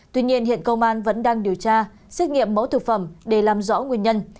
tuy nhiên hiện công an vẫn đang điều tra xét nghiệm mẫu thực phẩm để làm rõ nguyên nhân